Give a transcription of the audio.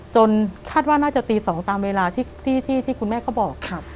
คาดว่าน่าจะตี๒ตามเวลาที่คุณแม่เขาบอก